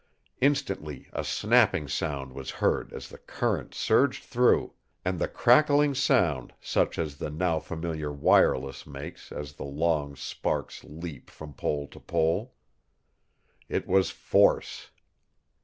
Instantly a snapping sound was heard as the current surged through, and the crackling sound such as the now familiar wireless makes as the long sparks leap from pole to pole. It was Force.